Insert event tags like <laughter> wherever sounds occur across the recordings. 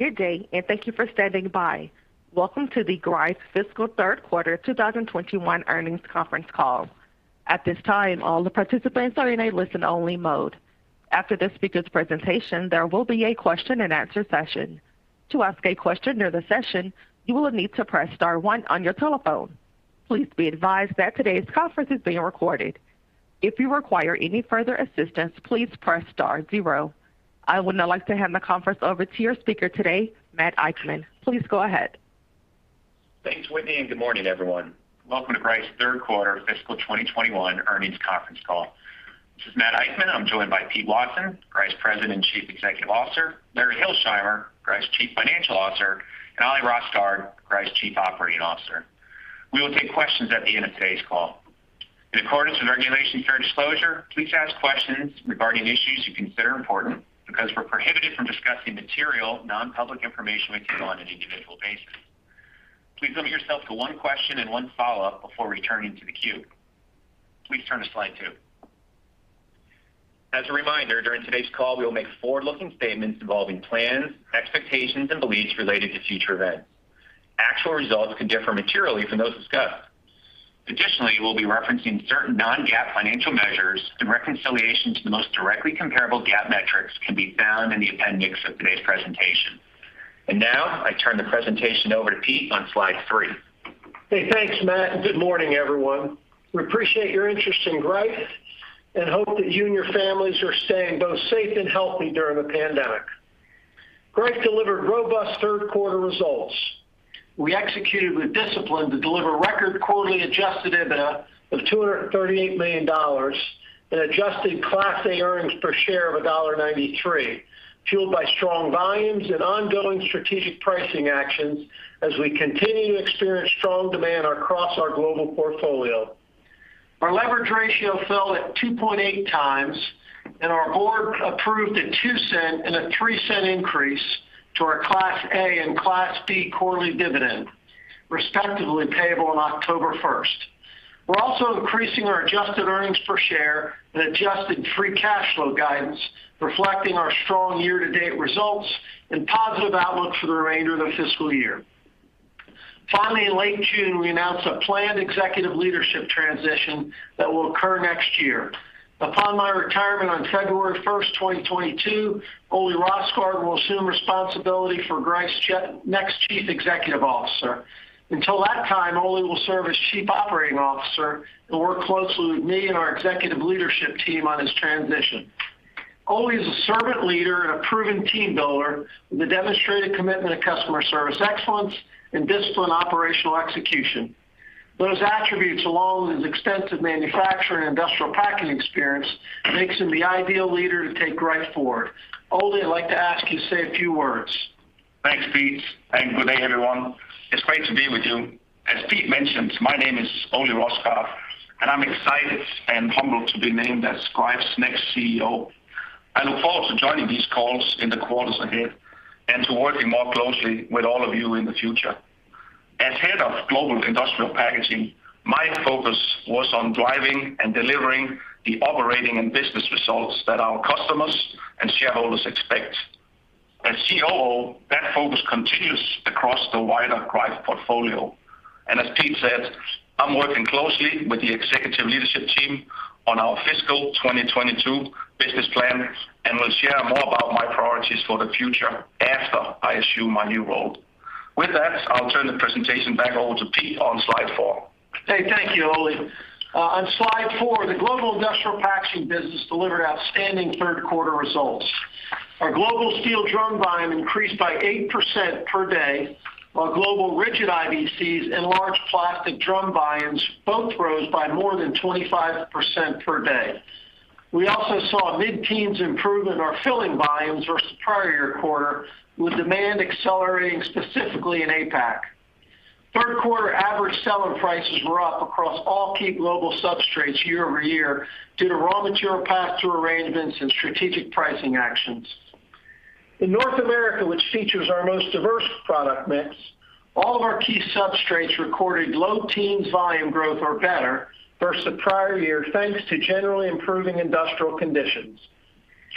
Good day, and thank you for standing by. Welcome to the Greif fiscal third quarter 2021 earnings conference call. At this time all the participants are in a listen-only mode. After the speaker's presentation, there will be a question and answer session. To ask a question during the session you will need to press star one on your telephone. Please be advised that today's conference is being recorded. If you require any further assistance, please press star zero. I would now like to hand the conference over to your speaker today, Matt Eichmann. Please go ahead. Thanks, Whitney. Good morning, everyone. Welcome to Greif's third quarter fiscal 2021 earnings conference call. This is Matt Eichmann. I'm joined by Pete Watson, Greif's President and Chief Executive Officer, Larry Hilsheimer, Greif's Chief Financial Officer, and Ole Rosgaard, Greif's Chief Operating Officer. We will take questions at the end of today's call. In accordance with Regulation Fair Disclosure, please ask questions regarding issues you consider important, because we're prohibited from discussing material, non-public information with you on an individual basis. Please limit yourself to one question and one follow-up before returning to the queue. Please turn to slide two. As a reminder, during today's call, we will make forward-looking statements involving plans, expectations, and beliefs related to future events. Actual results could differ materially from those discussed. Additionally, we'll be referencing certain non-GAAP financial measures. The reconciliation to the most directly comparable GAAP metrics can be found in the appendix of today's presentation. Now, I turn the presentation over to Pete on slide three. Hey, thanks, Matt, and good morning, everyone. We appreciate your interest in Greif and hope that you and your families are staying both safe and healthy during the pandemic. Greif delivered robust third quarter results. We executed with discipline to deliver record quarterly adjusted EBITDA of $238 million and adjusted Class A earnings per share of $1.93, fueled by strong volumes and ongoing strategic pricing actions as we continue to experience strong demand across our global portfolio. Our leverage ratio fell at 2.8x, our board approved a $0.02 and a $0.03 increase to our Class A and Class B quarterly dividend, respectively payable on October 1st. We're also increasing our adjusted earnings per share and adjusted free cash flow guidance, reflecting our strong year-to-date results and positive outlook for the remainder of the fiscal year. Finally, in late June, we announced a planned executive leadership transition that will occur next year. Upon my retirement on February 1st, 2022, Ole Rosgaard will assume responsibility for Greif's next Chief Executive Officer. Until that time, Ole will serve as Chief Operating Officer and work closely with me and our executive leadership team on his transition. Ole is a servant leader and a proven team builder with a demonstrated commitment to customer service excellence and disciplined operational execution. Those attributes, along with his extensive manufacturing and industrial packing experience, makes him the ideal leader to take Greif forward. Ole, I'd like to ask you to say a few words. Thanks, Pete, and good day, everyone. It's great to be with you. As Pete mentioned, my name is Ole Rosgaard, and I'm excited and humbled to be named as Greif's next CEO. I look forward to joining these calls in the quarters ahead and to working more closely with all of you in the future. As Head of Global Industrial Packaging, my focus was on driving and delivering the operating and business results that our customers and shareholders expect. As COO, that focus continues across the wider Greif portfolio. As Pete said, I'm working closely with the executive leadership team on our fiscal 2022 business plan and will share more about my priorities for the future after I assume my new role. With that, I'll turn the presentation back over to Pete on slide four. Hey, thank you, Ole. On slide four, the Global Industrial Packaging business delivered outstanding third quarter results. Our global steel drum volume increased by 8% per day, while global rigid IBCs and large plastic drum volumes both rose by more than 25% per day. We also saw a mid-teens improvement in our filling volumes versus the prior quarter, with demand accelerating specifically in APAC. Third quarter average selling prices were up across all key global substrates year-over-year due to raw material pass-through arrangements and strategic pricing actions. In North America, which features our most diverse product mix, all of our key substrates recorded low teens volume growth or better versus the prior year, thanks to generally improving industrial conditions.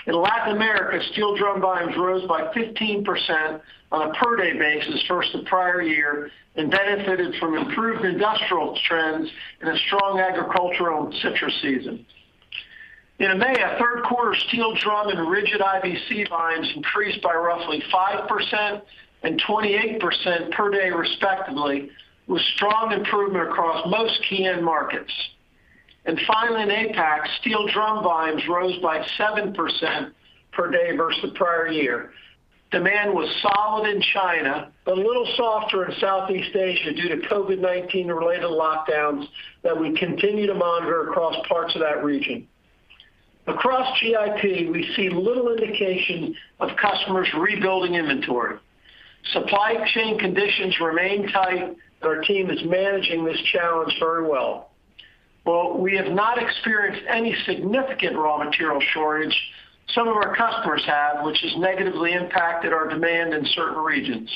In Latin America, steel drum volumes rose by 15% on a per-day basis versus the prior year and benefited from improved industrial trends and a strong agricultural and citrus season. In EMEA, third quarter steel drum and rigid IBC volumes increased by roughly 5% and 28% per day respectively, with strong improvement across most key end markets. Finally, in APAC, steel drum volumes rose by 7% per day versus the prior year. Demand was solid in China, but a little softer in Southeast Asia due to COVID-19 related lockdowns that we continue to monitor across parts of that region. Across GIP, we see little indication of customers rebuilding inventory. Supply chain conditions remain tight, and our team is managing this challenge very well. While we have not experienced any significant raw material shortage, some of our customers have, which has negatively impacted our demand in certain regions.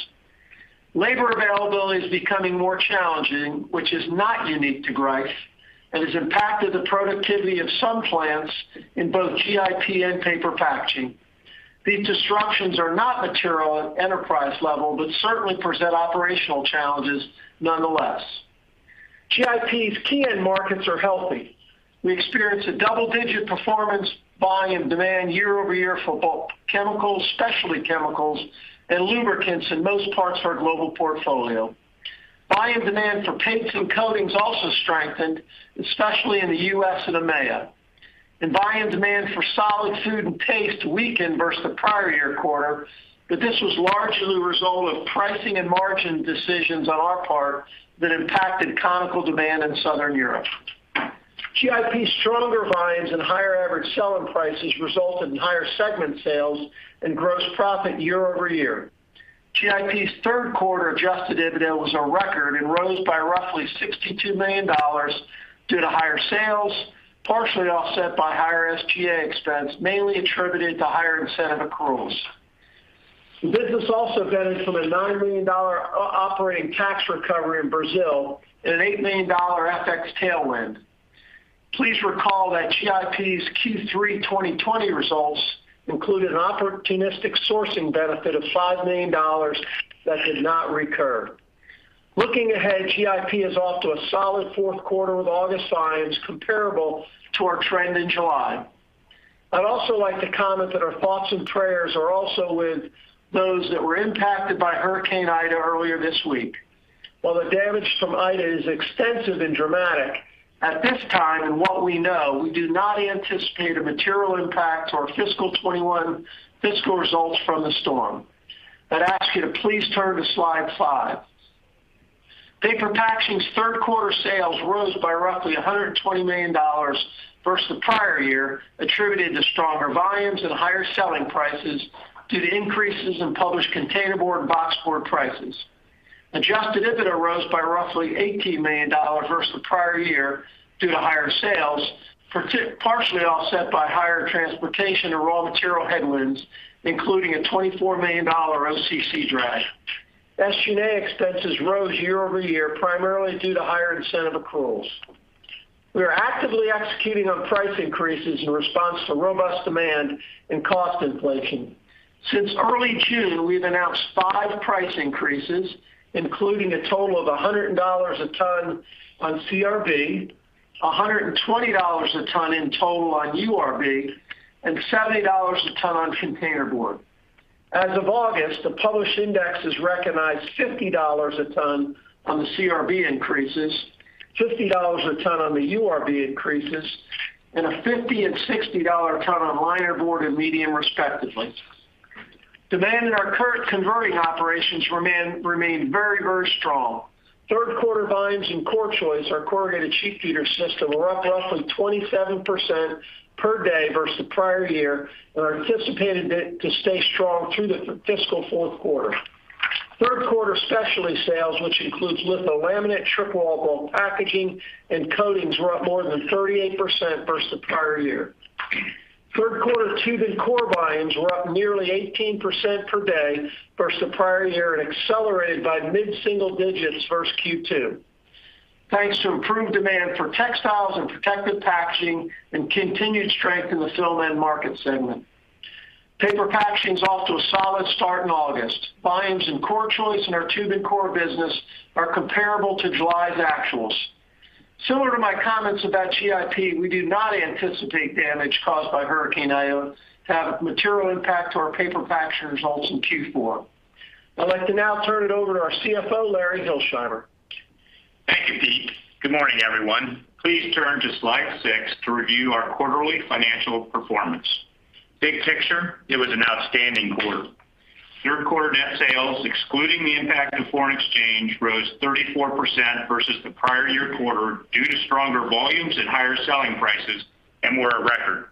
Labor availability is becoming more challenging, which is not unique to Greif, and has impacted the productivity of some plants in both GIP and Paper Packaging. These disruptions are not material at enterprise level, but certainly present operational challenges nonetheless. GIP's key end markets are healthy. We experienced a double-digit performance volume demand year-over-year for both chemicals, specialty chemicals, and lubricants in most parts of our global portfolio. Volume demand for paints and coatings also strengthened, especially in the U.S. and EMEA. Volume demand for solid food and taste weakened versus the prior year quarter, but this was largely the result of pricing and margin decisions on our part that impacted cyclical demand in Southern Europe. GIP's stronger volumes and higher average selling prices resulted in higher segment sales and gross profit year-over-year. GIP's third quarter adjusted EBITDA was a record and rose by roughly $62 million due to higher sales, partially offset by higher SG&A expense, mainly attributed to higher incentive accruals. The business also benefited from a $9 million operating tax recovery in Brazil and an $8 million FX tailwind. Please recall that GIP's Q3 2020 results included an opportunistic sourcing benefit of $5 million that did not recur. Looking ahead, GIP is off to a solid fourth quarter with August volumes comparable to our trend in July. I'd also like to comment that our thoughts and prayers are also with those that were impacted by Hurricane Ida earlier this week. While the damage from Hurricane Ida is extensive and dramatic, at this time and what we know, we do not anticipate a material impact to our fiscal 2021 fiscal results from the storm. I'd ask you to please turn to slide five. Paper Packaging's third quarter sales rose by roughly $120 million versus the prior year, attributed to stronger volumes and higher selling prices due to increases in published containerboard and boxboard prices. Adjusted EBITDA rose by roughly $18 million versus the prior year due to higher sales, partially offset by higher transportation and raw material headwinds, including a $24 million OCC drag. SG&A expenses rose year-over-year, primarily due to higher incentive accruals. We are actively executing on price increases in response to robust demand and cost inflation. Since early June, we've announced five price increases, including a total of $100 a ton on CRB, $120 a ton in total on URB, and $70 a ton on containerboard. As of August, the published indexes recognized $50 a ton on the CRB increases, $50 a ton on the URB increases, and a $50 and $60 a ton on linerboard and medium respectively. Demand in our current converting operations remained very strong. Third quarter volumes in CorrChoice, our corrugated sheet feeder system, were up roughly 27% per day versus the prior year, and are anticipated to stay strong through the fiscal fourth quarter. Third quarter specialty sales, which includes litho-laminate, triple-wall bulk packaging, and coatings, were up more than 38% versus the prior year. Third quarter tube and core volumes were up nearly 18% per day versus the prior year and accelerated by mid-single digits versus Q2. Thanks to improved demand for textiles and protective packaging and continued strength in the film end-market segment. Paper Packaging's off to a solid start in August. Volumes in CorrChoice and our tube and core business are comparable to July's actuals. Similar to my comments about GIP, we do not anticipate damage caused by Hurricane Ida to have a material impact to our Paper Packaging results in Q4. I'd like to now turn it over to our CFO, Larry Hilsheimer. Thank you, Pete. Good morning, everyone. Please turn to slide six to review our quarterly financial performance. Big picture, it was an outstanding quarter. Third quarter net sales, excluding the impact of foreign exchange, rose 34% versus the prior year quarter due to stronger volumes and higher selling prices, and were a record.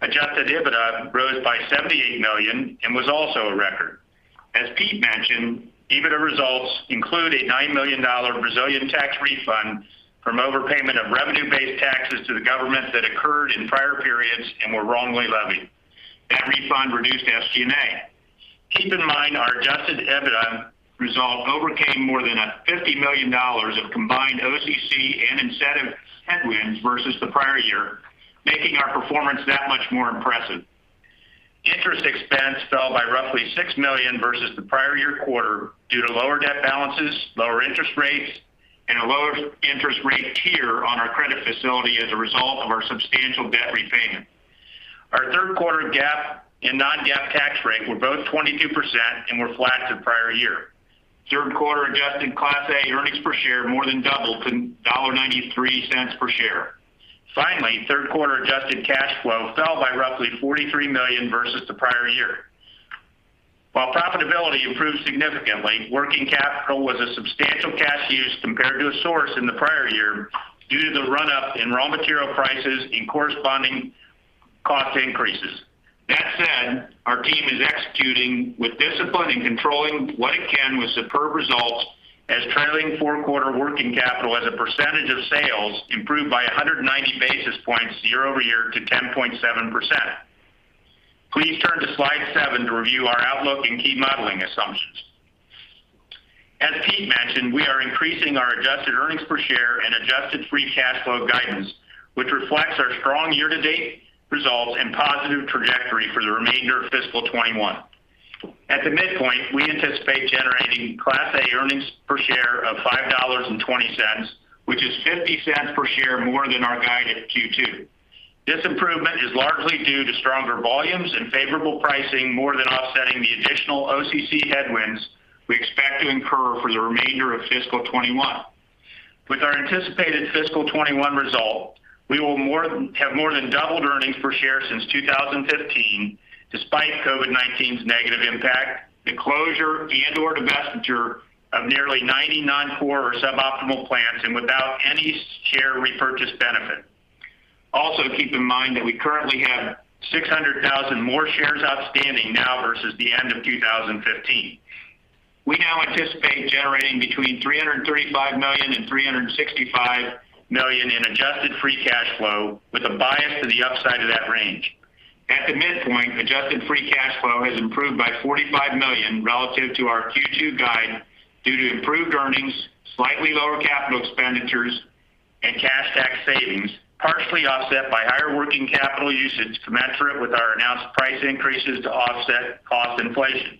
Adjusted EBITDA rose by $78 million and was also a record. As Pete mentioned, EBITDA results include a $9 million Brazilian tax refund from overpayment of revenue-based taxes to the government that occurred in prior periods and were wrongly levied. That refund reduced SG&A. Keep in mind our adjusted EBITDA result overcame more than a $50 million of combined OCC and incentive headwinds versus the prior year, making our performance that much more impressive. Interest expense fell by roughly $6 million versus the prior year quarter due to lower debt balances, lower interest rates, and a lower interest rate tier on our credit facility as a result of our substantial debt repayment. Our third quarter GAAP and non-GAAP tax rate were both 22% and were flat to the prior year. Third quarter adjusted Class A earnings per share more than doubled to $1.93 per share. Finally, third quarter adjusted cash flow fell by roughly $43 million versus the prior year. While profitability improved significantly, working capital was a substantial cash use compared to a source in the prior year due to the run-up in raw material prices and corresponding cost increases. That said, our team is executing with discipline and controlling what it can with superb results as trailing four-quarter working capital as a percentage of sales improved by 190 basis points year-over-year to 10.7%. Please turn to slide seven to review our outlook and key modeling assumptions. As Pete mentioned, we are increasing our adjusted earnings per share and adjusted free cash flow guidance, which reflects our strong year-to-date results and positive trajectory for the remainder of fiscal 2021. At the midpoint, we anticipate generating Class A earnings per share of $5.20, which is $0.50 per share more than our guide at Q2. This improvement is largely due to stronger volumes and favorable pricing, more than offsetting the additional OCC headwinds we expect to incur for the remainder of fiscal 2021. With our anticipated fiscal 2021 result, we will have more than doubled earnings per share since 2015, despite COVID-19's negative impact, the closure and/or divestiture of nearly 99 core or suboptimal plants, and without any share repurchase benefit. Keep in mind that we currently have 600,000 more shares outstanding now versus the end of 2015. We now anticipate generating between $335 million and $365 million in adjusted free cash flow, with a bias to the upside of that range. At the midpoint, adjusted free cash flow has improved by $45 million relative to our Q2 guide due to improved earnings, slightly lower Capital Expenditures, and cash tax savings, partially offset by higher working capital usage commensurate with our announced price increases to offset cost inflation.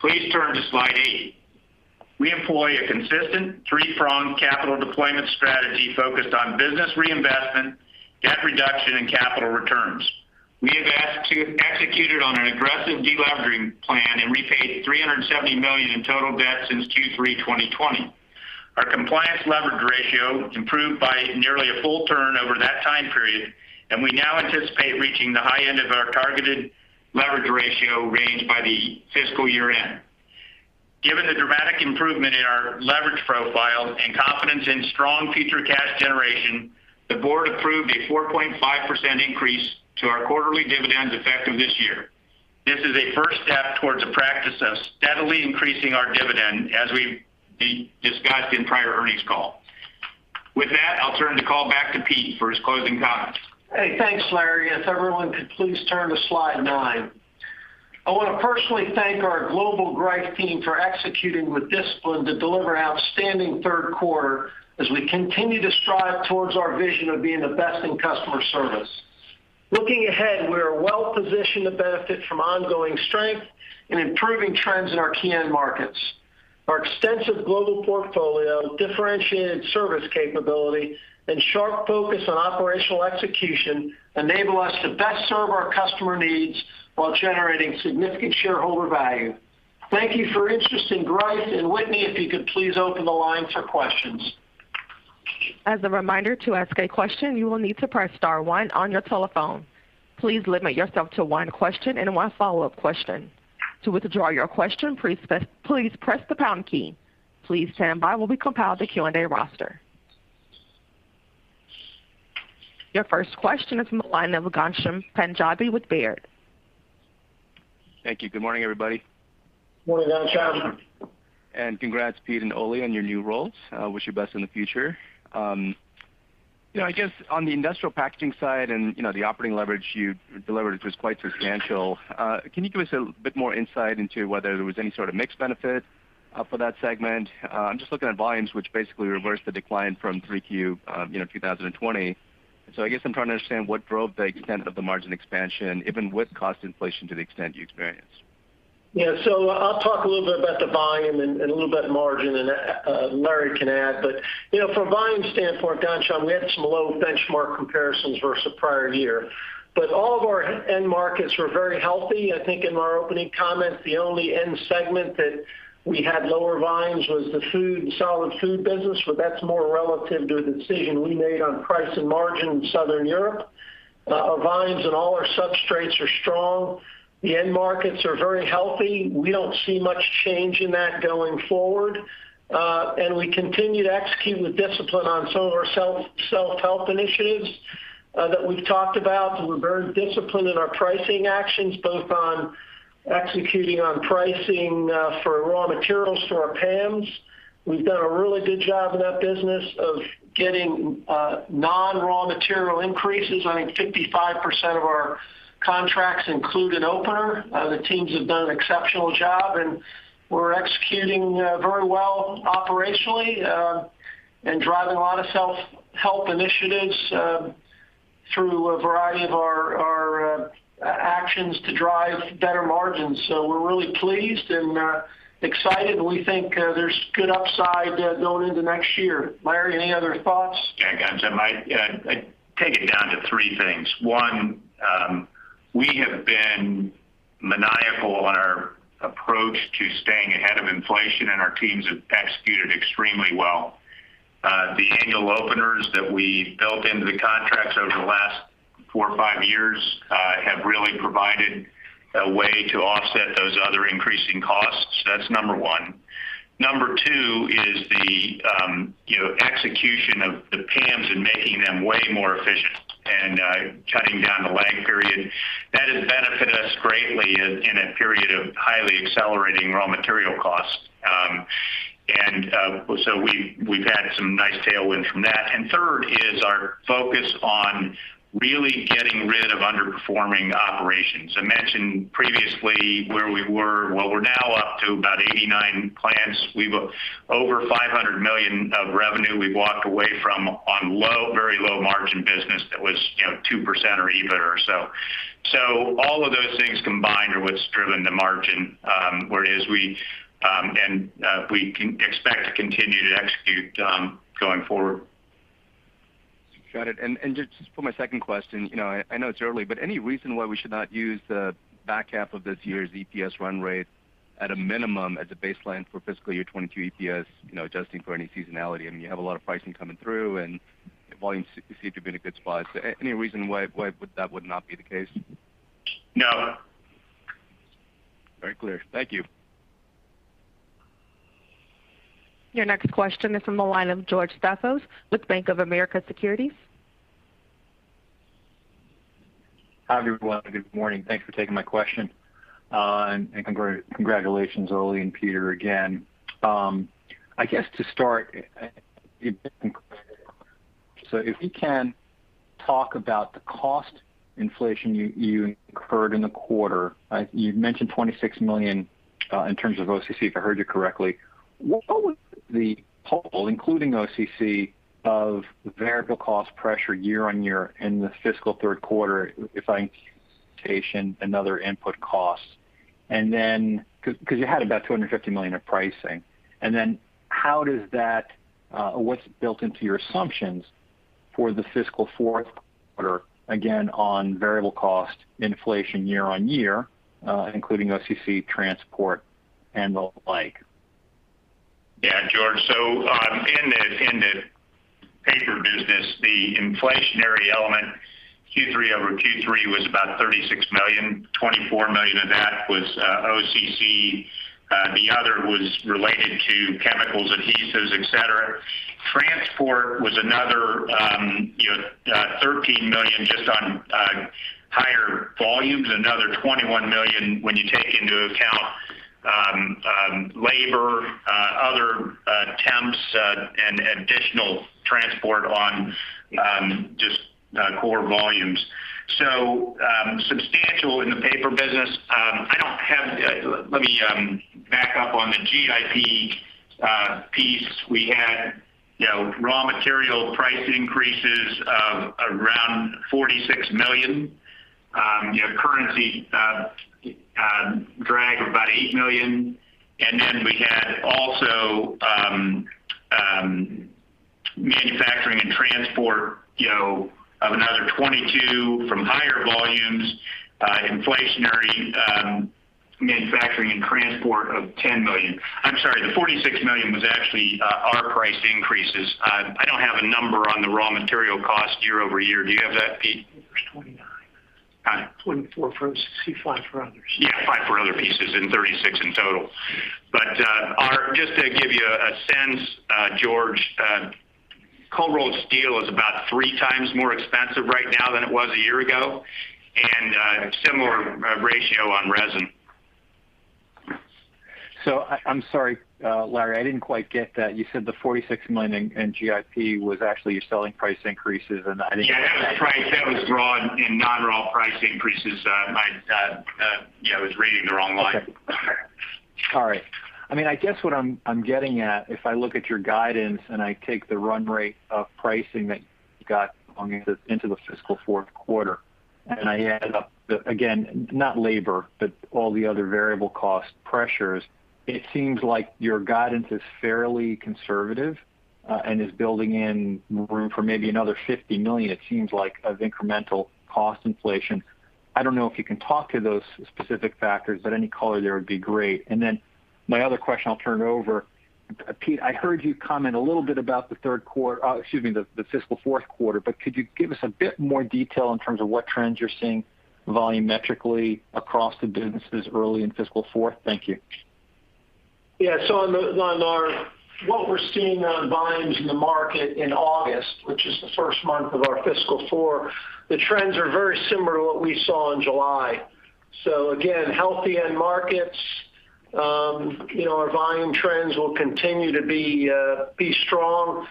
Please turn to slide eight. We employ a consistent three-pronged capital deployment strategy focused on business reinvestment, debt reduction, and capital returns. We have executed on an aggressive de-leveraging plan and repaid $370 million in total debt since Q3 2020. Our compliance leverage ratio improved by nearly a full turn over that time period, and we now anticipate reaching the high end of our targeted leverage ratio range by the fiscal year-end. Given the dramatic improvement in our leverage profile and confidence in strong future cash generation, the board approved a 4.5% increase to our quarterly dividends effective this year. This is a first step towards a practice of steadily increasing our dividend as we discussed in prior earnings call. With that, I'll turn the call back to Pete for his closing comments. Hey, thanks, Larry. If everyone could please turn to slide nine. I want to personally thank our global Greif team for executing with discipline to deliver outstanding third quarter as we continue to strive towards our vision of being the best in customer service. Looking ahead, we are well-positioned to benefit from ongoing strength and improving trends in our key end markets. Our extensive global portfolio, differentiated service capability, and sharp focus on operational execution enable us to best serve our customer needs while generating significant shareholder value. Thank you for your interest in Greif, and Whitney, if you could please open the line for questions. As a reminder, to ask a question, you will need to press star one on your telephone. Please limit yourself to one question and one follow-up question. To withdraw your question, please press the pound key. Please stand by while we compile the Q&A roster. Your first question is from the line of Ghansham Panjabi with Baird. Thank you. Good morning, everybody. Morning, Ghansham. Congrats, Pete and Ole, on your new roles. Wish you the best in the future. I guess on the Global Industrial Packaging side and the operating leverage you delivered was quite substantial. Can you give us a bit more insight into whether there was any sort of mixed benefit for that segment? I'm just looking at volumes, which basically reversed the decline from 3Q 2020. I guess I'm trying to understand what drove the extent of the margin expansion, even with cost inflation to the extent you experienced. I'll talk a little bit about the volume and a little bit margin, and Larry can add. From a volume standpoint, Ghansham, we had some low benchmark comparisons versus prior year. I think in our opening comments, the only end segment that we had lower volumes was the food and solid food business, but that's more relative to the decision we made on price and margin in Southern Europe. Our volumes and all our substrates are strong. The end markets are very healthy. We don't see much change in that going forward. We continue to execute with discipline on some of our self-help initiatives that we've talked about. We're very disciplined in our pricing actions, both on executing on pricing for raw materials to our PAMs. We've done a really good job in that business of getting non-raw material increases. I think 55% of our contracts include an opener. The teams have done an exceptional job, and we're executing very well operationally and driving a lot of self-help initiatives through a variety of our actions to drive better margins. We're really pleased and excited, and we think there's good upside going into next year. Larry, any other thoughts? Yeah, Ghansham. I take it down to three things. One, we have been maniacal on our approach to staying ahead of inflation, and our teams have executed extremely well. The annual openers that we built into the contracts over the last four, five years have really provided a way to offset those other increasing costs. That's number one. Number two is the execution of the PAMs and making them way more efficient and cutting down the lag period. That has benefited us greatly in a period of highly accelerating raw material costs. So we've had some nice tailwind from that. Third is our focus on really getting rid of underperforming operations. I mentioned previously where we were. Well, we're now up to about 89 plants. We've over $500 million of revenue we've walked away from on very low-margin business that was 2% or EBITDA or so. All of those things combined are what's driven the margin, and we can expect to continue to execute going forward. Got it. Just for my second question, I know it's early, but any reason why we should not use the back half of this year's EPS run rate at a minimum as a baseline for fiscal year 2022 EPS, adjusting for any seasonality? You have a lot of pricing coming through and volume seem to be in a good spot. Any reason why that would not be the case? No. Very clear. Thank you. Your next question is from the line of George Staphos with BofA Securities. Hi, everyone. Good morning. Thanks for taking my question. Congratulations, Ole and Pete, again. I guess to start, if you can talk about the cost inflation you incurred in the quarter. You mentioned $26 million in terms of OCC, if I heard you correctly. What was the total, including OCC, of variable cost pressure year-on-year in the fiscal third quarter <audio distortion> and other input costs? Because you had about $250 million of pricing, what's built into your assumptions for the fiscal fourth quarter, again, on variable cost inflation year-on-year, including OCC, transport, and the like? George, in the paper business, the inflationary element Q3-over-Q3 was about $36 million. $24 million of that was OCC. The other was related to chemicals, adhesives, et cetera. Transport was another $13 million just on higher volumes. Another $21 million when you take into account labor, other temps, and additional transport on just core volumes. Substantial in the paper business. Let me back up on the GIP piece. We had raw material price increases of around $46 million, currency drag of about $8 million, and then we had also manufacturing and transport of another $22 million from higher volumes, inflationary manufacturing and transport of $10 million. I'm sorry, the $46 million was actually our price increases. I don't have a number on the raw material cost year-over-year. Do you have that, Pete? It was $29 million. Got it. $24 million from OCC, $5 million for others. Yeah, $5 million for other pieces, $36 million in total. Just to give you a sense, George, cold rolled steel is about 3x more expensive right now than it was a year ago, and a similar ratio on resin. I'm sorry, Larry, I didn't quite get that. You said the $46 million in GIP was actually selling price increases. Yeah, that was price. That was raw and non-raw price increases. I was reading the wrong line. Okay. All right. I guess what I'm getting at, if I look at your guidance and I take the run rate of pricing that you got into the fiscal fourth quarter, and I add up the, again, not labor, but all the other variable cost pressures, it seems like your guidance is fairly conservative and is building in room for maybe another $50 million it seems like of incremental cost inflation. I don't know if you can talk to those specific factors, but any color there would be great. My other question, I'll turn it over. Pete, I heard you comment a little bit about the fiscal fourth quarter, but could you give us a bit more detail in terms of what trends you're seeing volumetrically across the businesses early in fiscal fourth? Thank you. On what we're seeing on volumes in the market in August, which is the first month of our fiscal fourth, the trends are very similar to what we saw in July. Again, healthy end markets. Our volume trends will continue to be strong.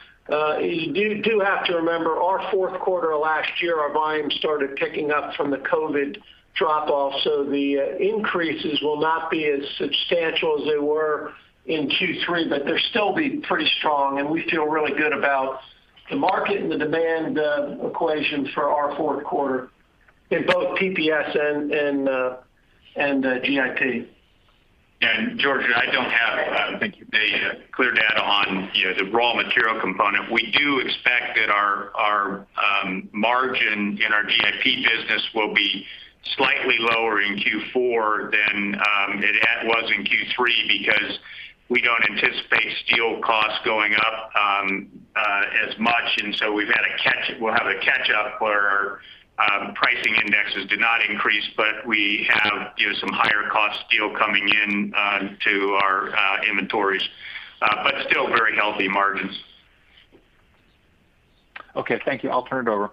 You do have to remember our fourth quarter last year, our volumes started picking up from the COVID drop-off, so the increases will not be as substantial as they were in Q3, but they'll still be pretty strong, and we feel really good about the market and the demand equation for our fourth quarter in both PPS and GIP. George, I don't have the clear data on the raw material component. We do expect that our margin in our GIP business will be slightly lower in Q4 than it was in Q3 because we don't anticipate steel costs going up as much, and so we'll have a catch-up where our pricing indexes did not increase, but we have some higher-cost steel coming in to our inventories. Still very healthy margins. Okay, thank you. I'll turn it over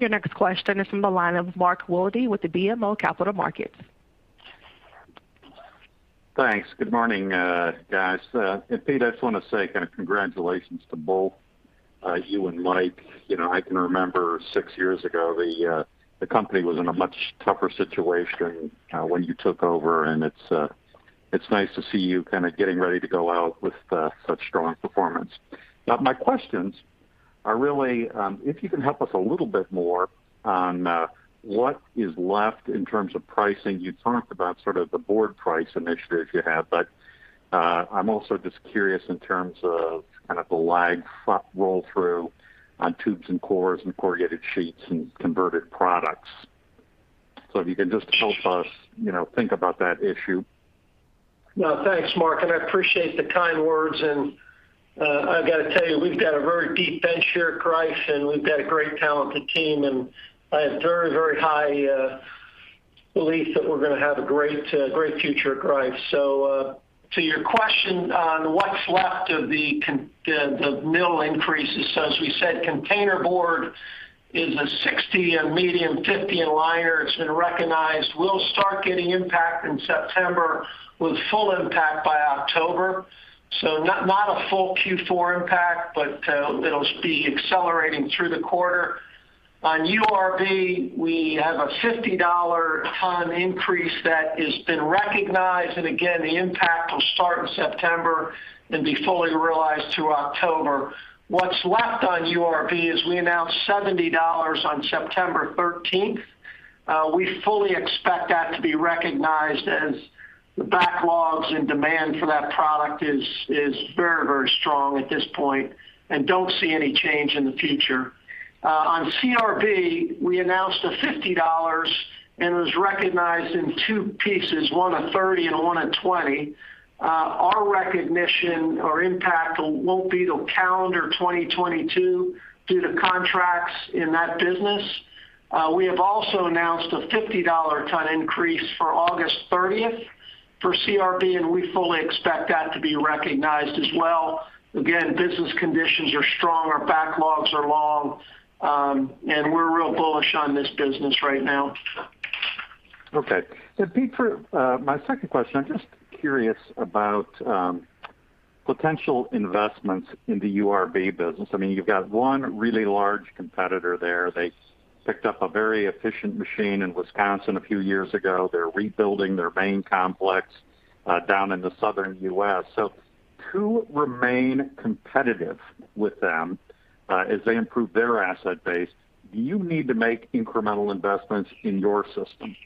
Your next question is from the line of Mark Wilde with BMO Capital Markets. Thanks. Good morning, guys. Pete, I just want to say kind of congratulations to both you and Mike. I can remember six years ago, the company was in a much tougher situation when you took over, and it's nice to see you kind of getting ready to go out with such strong performance. My questions are really if you can help us a little bit more on what is left in terms of pricing. You talked about sort of the board price initiatives you have, I'm also just curious in terms of kind of the lag roll-through on tubes and cores and corrugated sheets and converted products. If you can just help us think about that issue. Thanks, Mark, and I appreciate the kind words, and I've got to tell you, we've got a very deep bench here at Greif, and we've got a great talented team, and I have very high belief that we're going to have a great future at Greif. To your question on what's left of the mill increases. As we said, containerboard is a $60 in medium, $50 in liners. It's been recognized. We'll start getting impact in September with full impact by October. Not a full Q4 impact, but it'll be accelerating through the quarter. On URB, we have a $50 ton increase that has been recognized, and again, the impact will start in September and be fully realized through October. What's left on URB is we announced $70 on September 13th. We fully expect that to be recognized as the backlogs and demand for that product is very strong at this point and don't see any change in the future. On CRB, we announced a $50 and was recognized in two pieces, one a $30 and one a $20. Our recognition or impact won't be till calendar 2022 due to contracts in that business. We have also announced a $50 ton increase for August 30th for CRB. We fully expect that to be recognized as well. Again, business conditions are strong, our backlogs are long, and we're real bullish on this business right now. Okay. Pete, for my second question, I'm just curious about potential investments in the URB business. You've got one really large competitor there. They picked up a very efficient machine in Wisconsin a few years ago. They're rebuilding their main complex down in the Southern U.S. To remain competitive with them as they improve their asset base, do you need to make incremental investments in your system?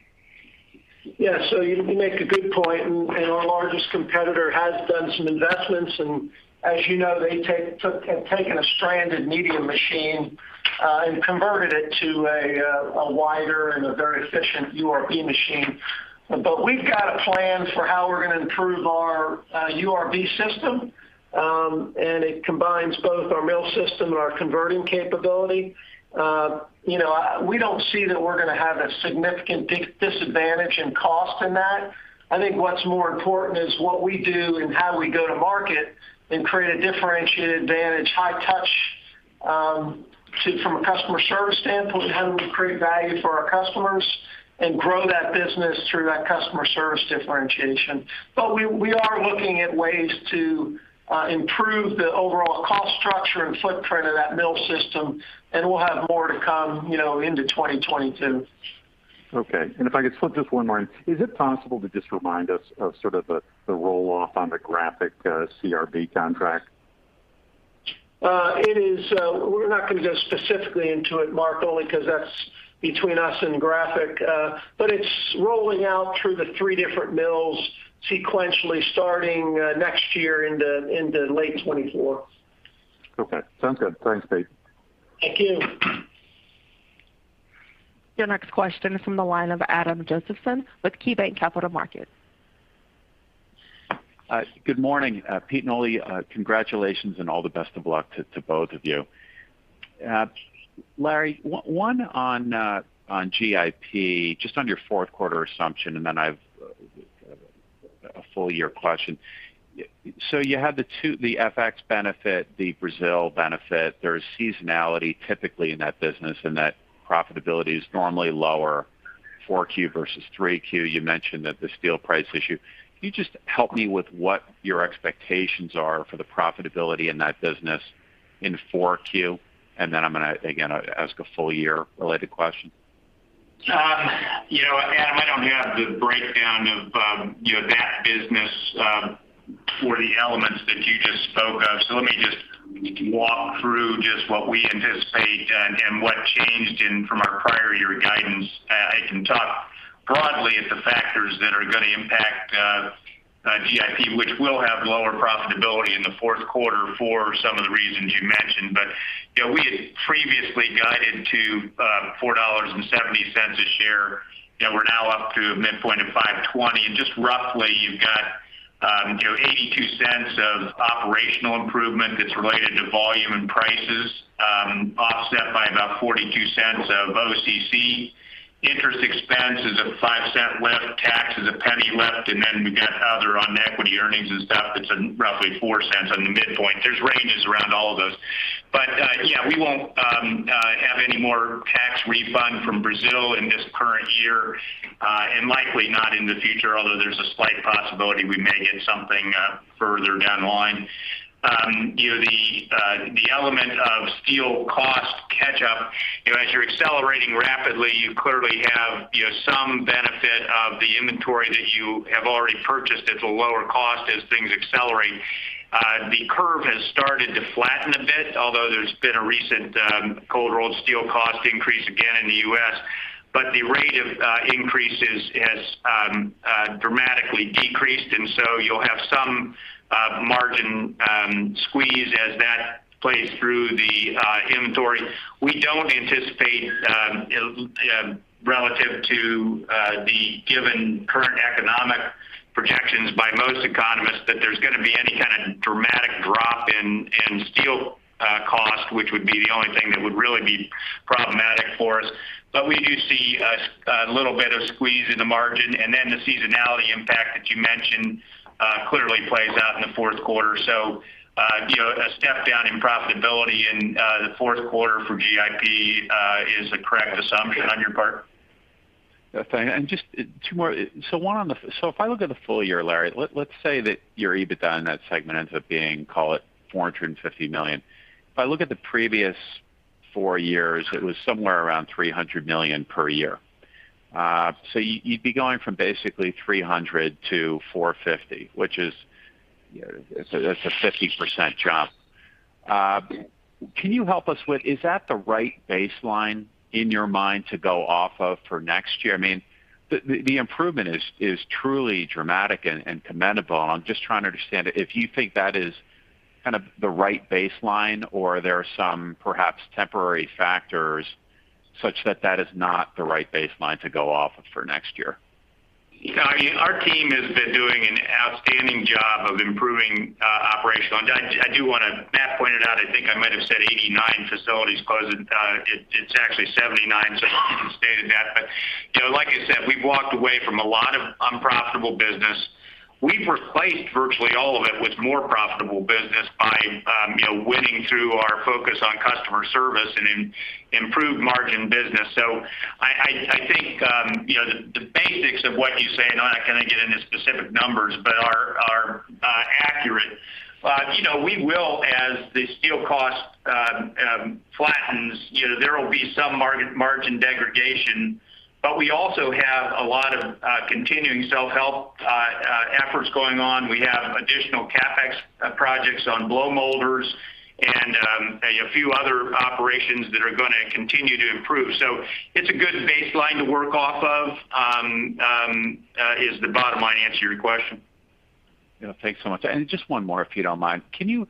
You make a good point, our largest competitor has done some investments, as you know, they have taken a stranded medium machine and converted it to a wider and a very efficient URB machine. We've got a plan for how we're going to improve our URB system, and it combines both our mill system and our converting capability. We don't see that we're going to have a significant disadvantage in cost in that. I think what's more important is what we do and how we go to market and create a differentiated advantage, high touch from a customer service standpoint, how do we create value for our customers and grow that business through that customer service differentiation. We are looking at ways to improve the overall cost structure and footprint of that mill system, and we'll have more to come into 2022. Okay. If I could slip just one more in. Is it possible to just remind us of sort of the roll-off on the Graphic CRB contract? We're not going to go specifically into it, Mark, only because that's between us and Graphic. It's rolling out through the three different mills sequentially starting next year into late 2024. Okay. Sounds good. Thanks, Pete. Thank you. Your next question is from the line of Adam Josephson with KeyBanc Capital Markets. Good morning, Pete and Ole. Congratulations and all the best of luck to both of you. Larry, one on GIP, just on your fourth quarter assumption, and then I've a full-year question. You had the FX benefit, the Brazil benefit. There's seasonality typically in that business, and that profitability is normally lower, 4Q versus 3Q. You mentioned that the steel price issue. Can you just help me with what your expectations are for the profitability in that business in 4Q? I'm going to, again, ask a full-year related question. Adam, I don't have the breakdown of that business for the elements that you just spoke of. Let me just walk through just what we anticipate and what changed from our prior year guidance. I can talk broadly at the factors that are going to impact GIP, which will have lower profitability in the fourth quarter for some of the reasons you mentioned. We had previously guided to $4.70 a share, and we're now up to a midpoint of $5.20. Just roughly, you've got $0.82 of operational improvement that's related to volume and prices, offset by about $0.42 of OCC. Interest expense is a $0.05 lift, tax is a $0.01 lift, we've got other on equity earnings and stuff that's roughly $0.04 on the midpoint. There's ranges around all of those. Yeah, we won't have any more tax refund from Brazil in this current year, and likely not in the future, although there's a slight possibility we may get something further down the line. The element of steel cost catch-up, as you're accelerating rapidly, you clearly have some benefit of the inventory that you have already purchased at the lower cost as things accelerate. The curve has started to flatten a bit, although there's been a recent cold rolled steel cost increase again in the U.S. The rate of increase has dramatically decreased, you'll have some margin squeeze as that plays through the inventory. We don't anticipate, relative to the given current economic projections by most economists, that there's going to be any kind of dramatic drop in steel cost, which would be the only thing that would really be problematic for us. We do see a little bit of squeeze in the margin. The seasonality impact that you mentioned clearly plays out in the fourth quarter. A step down in profitability in the fourth quarter for GIP is a correct assumption on your part. Just two more. If I look at the full year, Larry, let's say that your EBITDA in that segment ends up being, call it $450 million. If I look at the previous four years, it was somewhere around $300 million per year. You'd be going from basically $300 million-$450 million, which is it's a 50% jump. Can you help us with, is that the right baseline, in your mind, to go off of for next year? I mean, the improvement is truly dramatic and commendable, and I'm just trying to understand if you think that is kind of the right baseline or there are some perhaps temporary factors such that that is not the right baseline to go off of for next year. Our team has been doing an outstanding job of improving operational. Matt pointed out, I think I might have said 89 facilities closing. It's actually 79 facilities, stated that. Like I said, we've walked away from a lot of unprofitable business. We've replaced virtually all of it with more profitable business by winning through our focus on customer service and improved margin business. I think the basics of what you say, and I'm not going to get into specific numbers, but are accurate. We will, as the steel cost flattens, there will be some margin degradation. We also have a lot of continuing self-help efforts going on. We have additional CapEx projects on blow molders and a few other operations that are going to continue to improve. It's a good baseline to work off of, is the bottom line answer your question. Yeah. Thanks so much. Just one more, if you don't mind. Can you,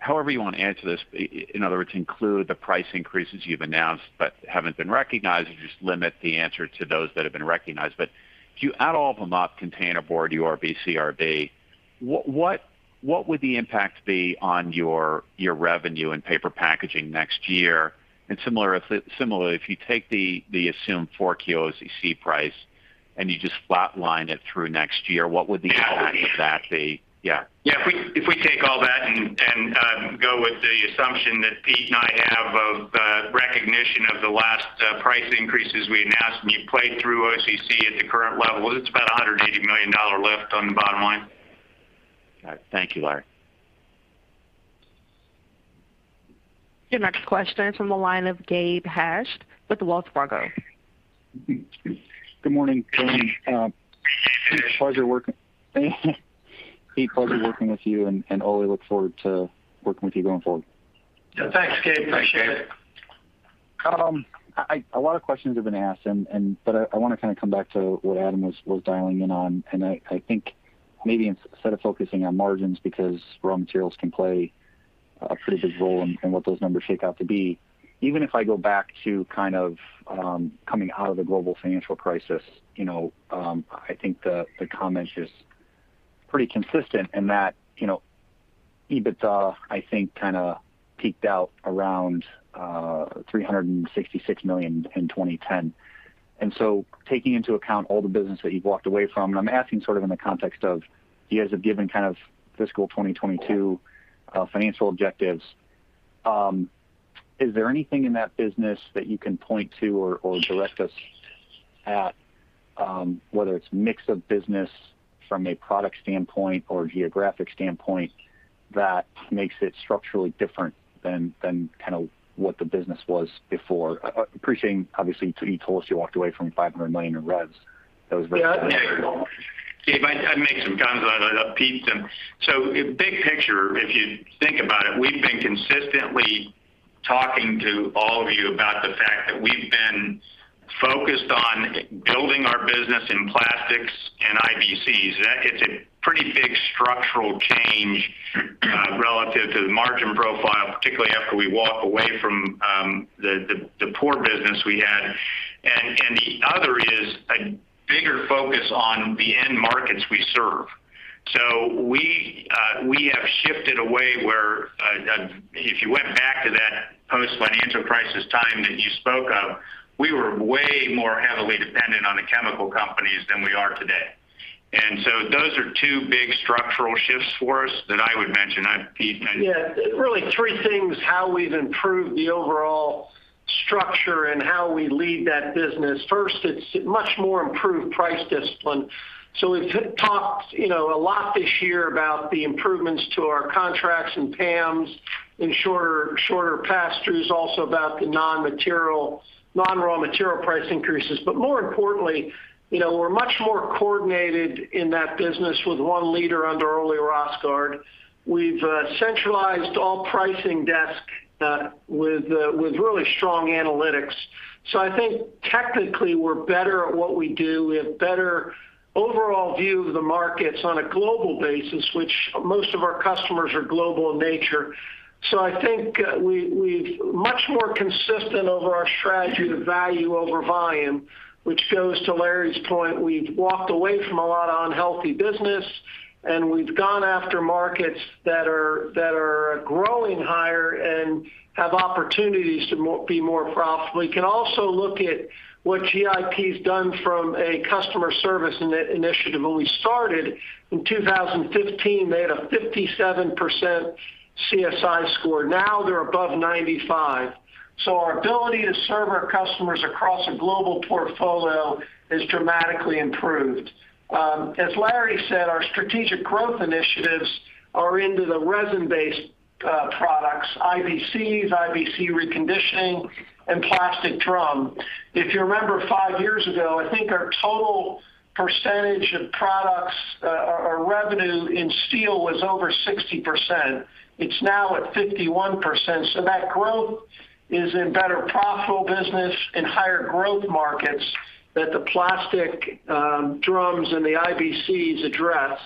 however you want to answer this, in other words, include the price increases you've announced but haven't been recognized, or just limit the answer to those that have been recognized. If you add all of them up, containerboard, URB, CRB, what would the impact be on your revenue and Paper Packaging next year? Similarly, if you take the assumed 4Q OCC price and you just flat line it through next year, what would the impact of that be? Yeah. Yeah. If we take all that and go with the assumption that Pete and I have of recognition of the last price increases we announced, and you played through OCC at the current level, it's about $180 million lift on the bottom line. All right. Thank you, Larry. Your next question is from the line of Gabe Hajde with Wells Fargo. Good morning, team. Pete, pleasure working with you, and Ole, look forward to working with you going forward. Yeah. Thanks, Gabe. Appreciate it. A lot of questions have been asked, but I want to kind of come back to what Adam was dialing in on. I think maybe instead of focusing on margins, because raw materials can play a pretty big role in what those numbers shake out to be. Even if I go back to kind of coming out of the global financial crisis, I think the comment is pretty consistent in that EBITDA, I think, kind of peaked out around $366 million in 2010. Taking into account all the business that you've walked away from, and I'm asking sort of in the context of you guys have given kind of fiscal 2022 financial objectives. Is there anything in that business that you can point to or direct us at, whether it's mix of business from a product standpoint or geographic standpoint, that makes it structurally different than kind of what the business was before? Appreciating, obviously, Pete told us you walked away from $500 million of revs. Yeah. Gabe, I'd make some comments on it. I'll repeat them. Big picture, if you think about it, we've been consistently talking to all of you about the fact that we've been focused on building our business in plastics and IBCs. It's a pretty big structural change relative to the margin profile, particularly after we walk away from the poor business we had. The other is a bigger focus on the end markets we serve. We have shifted a way where, if you went back to that post-financial crisis time that you spoke of, we were way more heavily dependent on the chemical companies than we are today. Those are two big structural shifts for us that I would mention. Pete, anything? Yeah. Really three things, how we've improved the overall structure and how we lead that business. First, it's much more improved price discipline. We've talked a lot this year about the improvements to our contracts and PAMs and shorter pass-throughs, also about the non-raw material price increases. More importantly, we're much more coordinated in that business with one leader under Ole Rosgaard. We've centralized all pricing desk with really strong analytics. I think technically we're better at what we do. We have better overall view of the markets on a global basis, which most of our customers are global in nature. I think we're much more consistent over our strategy to value over volume, which goes to Larry's point. We've walked away from a lot of unhealthy business, and we've gone after markets that are growing higher and have opportunities to be more profitable. You can also look at what GIP's done from a customer service initiative. When we started in 2015, they had a 57% CSI score. Now they're above 95%. Our ability to serve our customers across a global portfolio has dramatically improved. As Larry said, our strategic growth initiatives are into the resin-based products, IBCs, IBC reconditioning, and plastic drum. If you remember five years ago, I think our total percentage of products or revenue in steel was over 60%. It's now at 51%. That growth is in better profitable business and higher growth markets that the plastic drums and the IBCs address.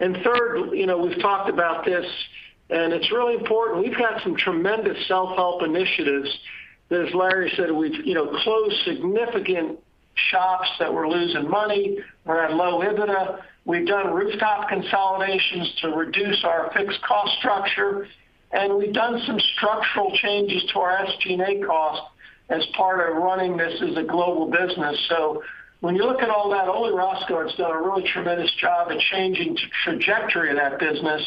Third, we've talked about this, and it's really important. We've had some tremendous self-help initiatives. As Larry said, we've closed significant shops that were losing money, were at low EBITDA. We've done rooftop consolidations to reduce our fixed cost structure. We've done some structural changes to our SG&A cost as part of running this as a global business. When you look at all that, Ole Rosgaard's done a really tremendous job at changing trajectory of that business.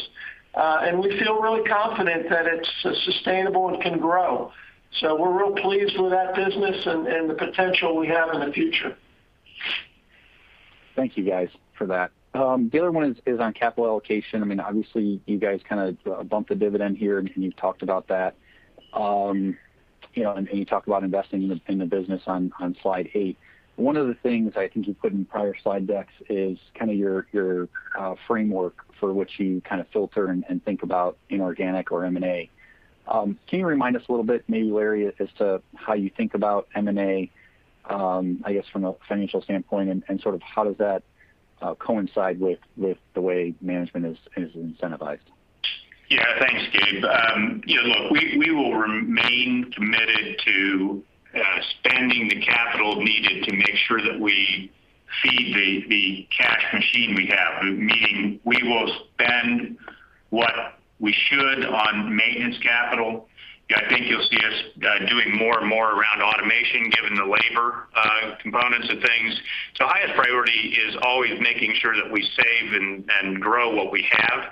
We feel really confident that it's sustainable and can grow. We're real pleased with that business and the potential we have in the future. Thank you guys for that. The other one is on capital allocation. Obviously you guys kind of bumped the dividend here, and you've talked about that. You talked about investing in the business on slide eight. One of the things I think you put in prior slide decks is kind of your framework for which you kind of filter and think about inorganic or M&A. Can you remind us a little bit, maybe Larry, as to how you think about M&A, I guess from a financial standpoint, and sort of how does that coincide with the way management is incentivized? Yeah, thanks, Gabe. Look, we will remain committed to spending the capital needed to make sure that we feed the cash machine we have, meaning we will spend what we should on maintenance capital. I think you'll see us doing more and more around automation, given the labor components of things. Highest priority is always making sure that we save and grow what we have.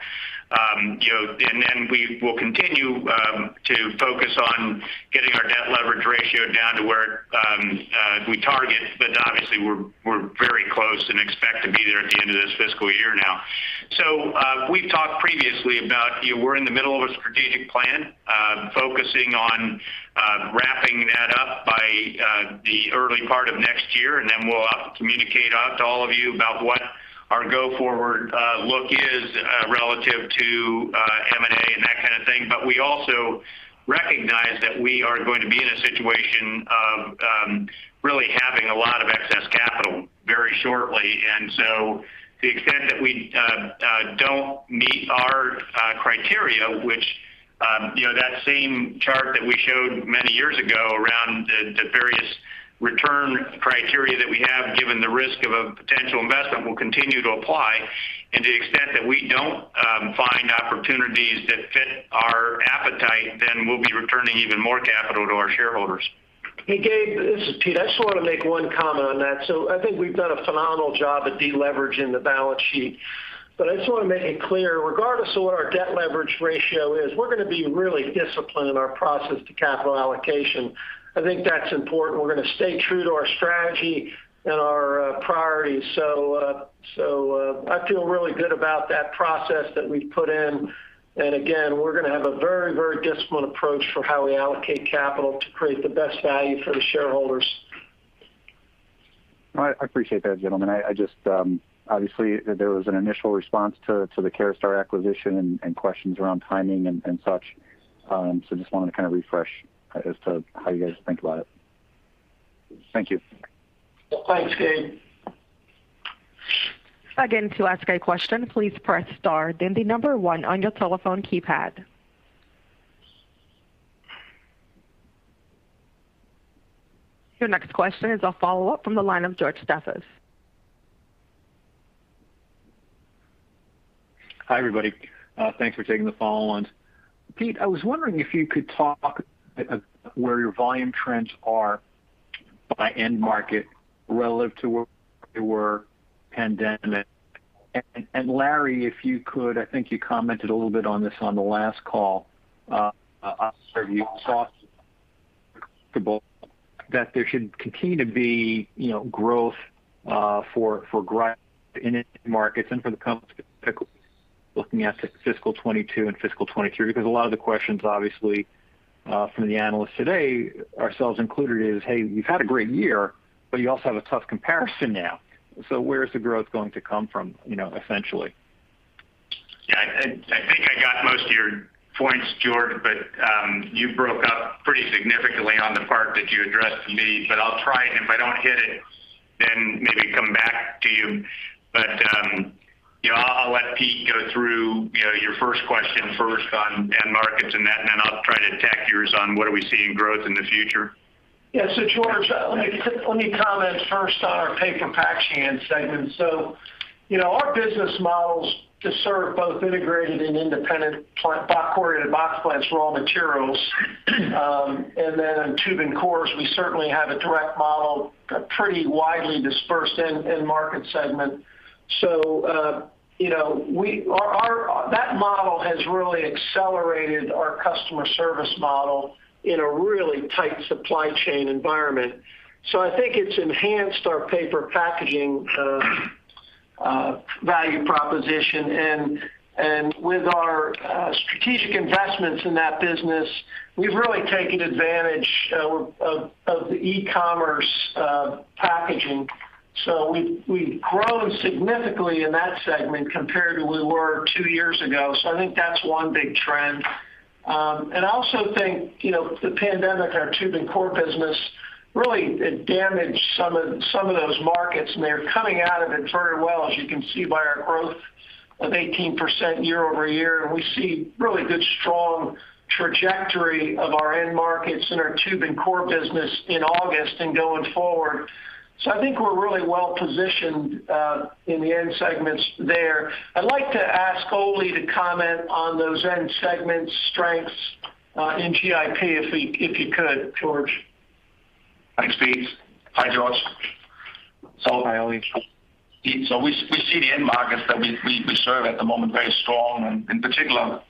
We will continue to focus on getting our debt leverage ratio down to where we target. Obviously we're very close and expect to be there at the end of this fiscal year now. We've talked previously about we're in the middle of a strategic plan, focusing on wrapping that up by the early part of next year, and then we'll communicate out to all of you about what our go forward look is relative to M&A and that kind of thing. We also recognize that we are going to be in a situation of really having a lot of excess capital very shortly. The extent that we don't meet our criteria, which that same chart that we showed many years ago around the various return criteria that we have given the risk of a potential investment will continue to apply. To the extent that we don't find opportunities that fit our appetite, then we'll be returning even more capital to our shareholders. Hey, Gabe, this is Pete. I just want to make one comment on that. I think we've done a phenomenal job at de-leveraging the balance sheet, but I just want to make it clear, regardless of what our debt leverage ratio is, we're going to be really disciplined in our process to capital allocation. I think that's important. We're going to stay true to our strategy and our priorities. I feel really good about that process that we've put in. Again, we're going to have a very disciplined approach for how we allocate capital to create the best value for the shareholders. I appreciate that, gentlemen. Obviously there was an initial response to the Caraustar Industries acquisition and questions around timing and such. Just wanted to kind of refresh as to how you guys think about it. Thank you. Thanks, Gabe. Again, to ask a question, please press star then the number one on your telephone keypad. Your next question is a follow-up from the line of George Staphos. Hi, everybody. Thanks for taking the follow-on. Pete, I was wondering if you could talk about where your volume trends are by end market relative to where they were pandemic. Larry, if you could, I think you commented a little bit on this on the last call, you thought that there should continue to be growth for Greif in end markets and for the company looking at fiscal 2022 and fiscal 2023, because a lot of the questions, obviously, from the analysts today, ourselves included, is, "Hey, you've had a great year, but you also have a tough comparison now. So where's the growth going to come from essentially? I think I got most of your points, George, but you broke up pretty significantly on the part that you addressed to me, but I'll try, and if I don't hit it, then maybe come back to you. I'll let Pete go through your first question first on end markets and that, and then I'll try to attack yours on what are we seeing growth in the future. Yeah. George, let me comment first on our Paper Packaging segment. Our business models to serve both integrated and independent plant corrugated box plants raw materials, and then on tube and cores, we certainly have a direct model, a pretty widely dispersed end market segment. That model has really accelerated our customer service model in a really tight supply chain environment. I think it's enhanced our Paper Packaging value proposition. With our strategic investments in that business, we've really taken advantage of the e-commerce packaging. We've grown significantly in that segment compared to where we were two years ago. I think that's one big trend. I also think the pandemic in our tube and core business really damaged some of those markets, and they're coming out of it very well, as you can see by our growth of 18% year-over-year. We see really good, strong trajectory of our end markets in our tube and core business in August and going forward. I think we're really well-positioned in the end segments there. I'd like to ask Ole to comment on those end segment strengths in GIP, if you could, George. Thanks, Pete. Hi, George. Hi, Ole. We see the end markets that we serve at the moment very strong, and in particular,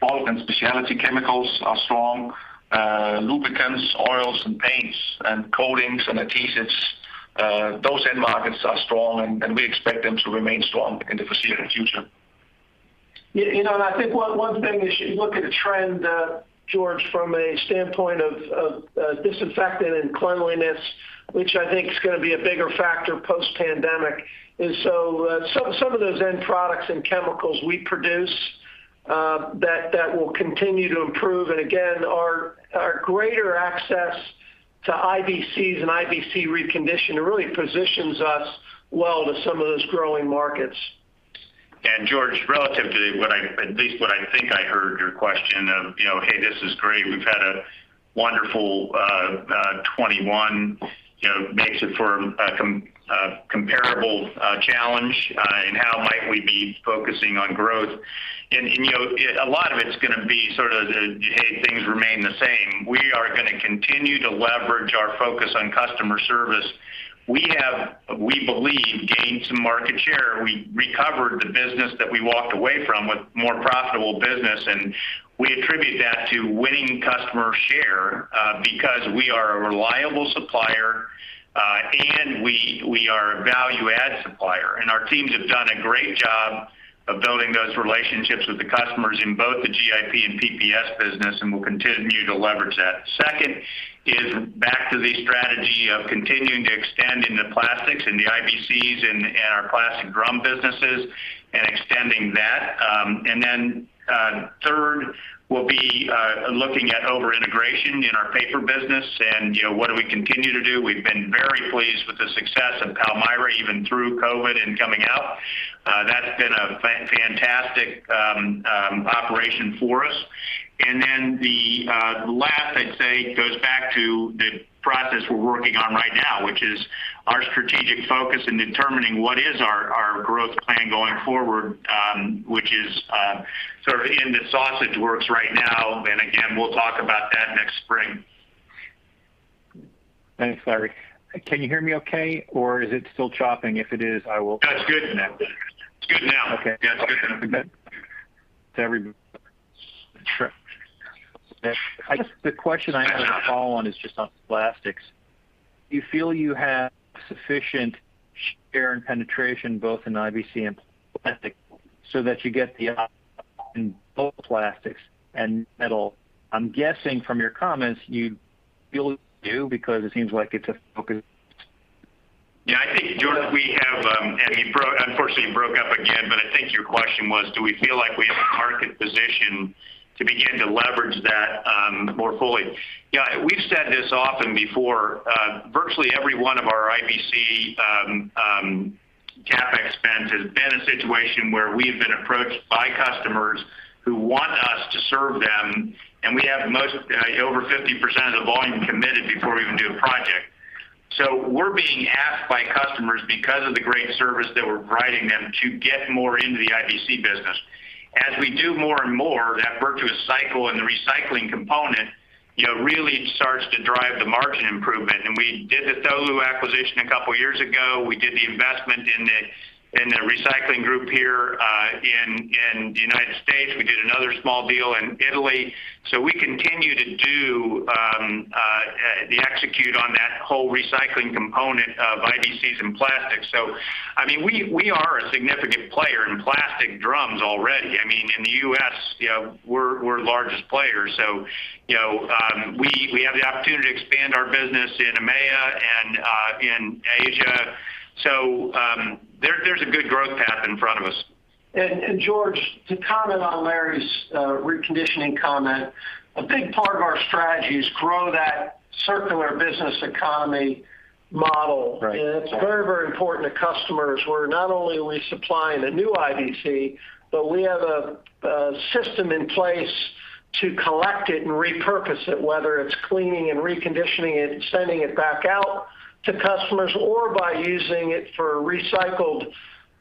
bulk and specialty chemicals are strong. Lubricants, oils, and paints and coatings and adhesives, those end markets are strong, and we expect them to remain strong into the foreseeable future. Yeah. I think one thing is you look at a trend, George, from a standpoint of disinfectant and cleanliness, which I think is going to be a bigger factor post-pandemic. Some of those end products and chemicals we produce, that will continue to improve. Again, our greater access to IBCs and IBC reconditioner really positions us well to some of those growing markets. George, relative to at least what I think I heard your question of, "Hey, this is great. We've had a wonderful 2021. Makes it for a comparable challenge in how might we be focusing on growth?" A lot of it's going to be sort of, hey, things remain the same. We are going to continue to leverage our focus on customer service. We have, we believe, gained some market share. We recovered the business that we walked away from with more profitable business. We attribute that to winning customer share because we are a reliable supplier, and we are a value-add supplier. Our teams have done a great job of building those relationships with the customers in both the GIP and PPS business. We'll continue to leverage that. Second is back to the strategy of continuing to extend into plastics in the IBCs and our plastic drum businesses and extending that. Third, we'll be looking at over integration in our paper business and what do we continue to do. We've been very pleased with the success of Palmyra, even through COVID and coming out. That's been a fantastic operation for us. The last I'd say goes back to the process we're working on right now, which is our strategic focus in determining what is our growth plan going forward, which is sort of in the sausage works right now. Again, we'll talk about that next spring. Thanks, Larry. Can you hear me okay, or is it still chopping? If it is, I will. No, it's good now. Okay. Yeah, it's good now. To everybody. Sure. I guess the question I have to follow-on is just on plastics. Do you feel you have sufficient share and penetration both in IBC and plastic so that you get the optimal in both plastics and metal? I'm guessing from your comments, you feel you do because it seems like it's a focus. Yeah, I think, George. Unfortunately, you broke up again, but I think your question was, do we feel like we have a market position to begin to leverage that more fully? Yeah, we've said this often before. Virtually every one of our IBC CapEx spend has been a situation where we have been approached by customers who want us to serve them, and we have over 50% of the volume committed before we even do a project. We're being asked by customers, because of the great service that we're providing them, to get more into the IBC business. As we do more and more, that virtuous cycle and the recycling component really starts to drive the margin improvement. We did the Tholu acquisition two years ago. We did the investment in the recycling group here in the United States. We did another small deal in Italy. We continue to execute on that whole recycling component of IBCs and plastics. We are a significant player in plastic drums already. In the U.S., we're the largest player. We have the opportunity to expand our business in EMEA and in Asia. There's a good growth path in front of us. George, to comment on Larry's reconditioning comment, a big part of our strategy is grow that circular business economy model. Right. It's very important to customers, where not only are we supplying a new IBC, but we have a system in place to collect it and repurpose it, whether it's cleaning and reconditioning it and sending it back out to customers or by using it for recycled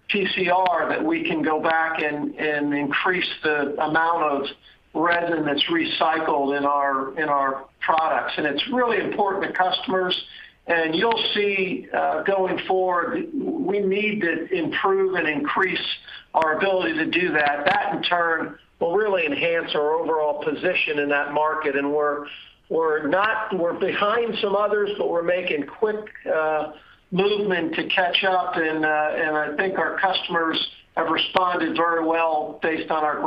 PCR that we can go back and increase the amount of resin that's recycled in our products. It's really important to customers, and you'll see, going forward, we need to improve and increase our ability to do that. That, in turn, will really enhance our overall position in that market, and we're behind some others, but we're making quick movement to catch up. I think our customers have responded very well based on our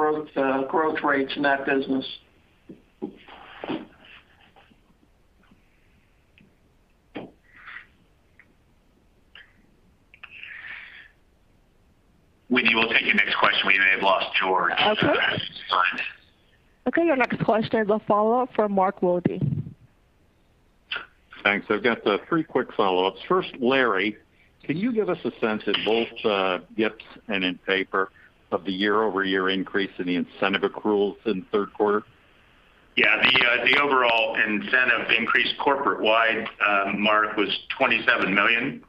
growth rates in that business. Whitney, we'll take the next question. We may have lost George. Okay. He's fine. Okay, our next question is a follow-up from Mark Wilde. Thanks. I've got three quick follow-ups. First, Larry, can you give us a sense in both GIP and in paper of the year-over-year increase in the incentive accruals in the third quarter? The overall incentive increase corporate-wide, Mark, was $27 million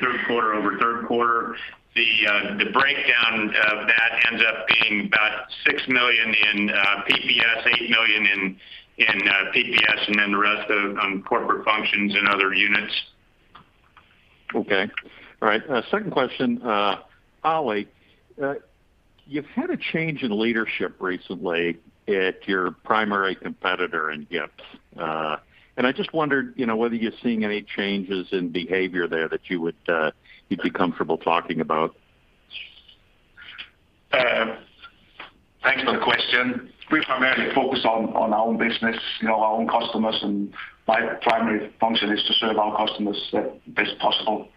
third quarter over third quarter. The breakdown of that ends up being about $6 million in PPS, $8 million in PPS, and then the rest on corporate functions and other units. Okay. All right. Second question. Ole, you've had a change in leadership recently at your primary competitor in GIP. I just wondered whether you're seeing any changes in behavior there that you'd be comfortable talking about. Thanks for the question. We primarily focus on our own business, our own customers, and my primary function is to serve our customers the best possible.